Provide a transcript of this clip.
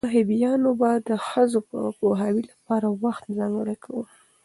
صحابیانو به د ښځو د پوهاوي لپاره وخت ځانګړی کاوه.